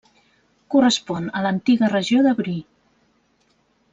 Correspon a l'antiga regió de Brie.